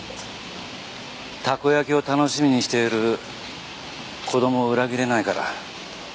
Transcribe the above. たこ焼きを楽しみにしている子供を裏切れないから。